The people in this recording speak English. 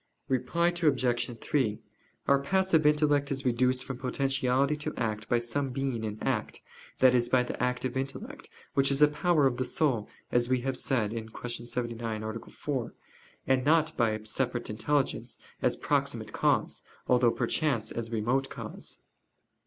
Reply Obj. 3: Our passive intellect is reduced from potentiality to act by some being in act, that is, by the active intellect, which is a power of the soul, as we have said (Q. 79, A. 4); and not by a separate intelligence, as proximate cause, although perchance as remote cause.